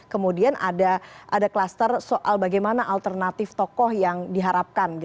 kemudian ada kluster soal bagaimana alternatif tokoh yang diharapkan